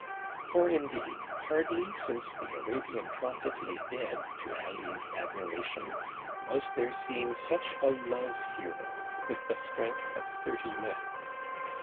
For indeed, hardly since the Arabian Prophet lay dead, to Ali's admiration, was there seen such a Love hero, with the strength of thirty men.